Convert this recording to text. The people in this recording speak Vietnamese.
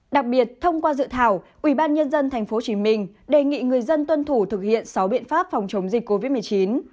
đặc biệt thông qua dự thảo ubnd tp hcm đề nghị người dân tuân thủ thực hiện sáu biện pháp phòng chống dịch covid một mươi chín